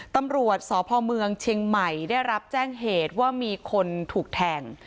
ตำรวจสพเมืองเชียงใหม่ได้รับแจ้งเหตุว่ามีคนถูกแทง